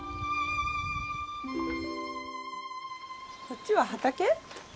こっちは畑？